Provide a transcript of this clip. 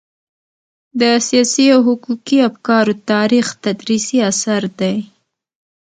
د سياسي او حقوقي افکارو تاریخ تدريسي اثر دی.